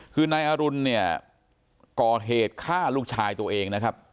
คือนายอรุณเนี่ยก่อเหตุฆ่าลูกชายตัวเองนะครับ